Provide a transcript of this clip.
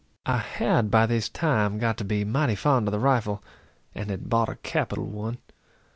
I had by this time got to be mighty fond of the rifle, and had bought a capital one.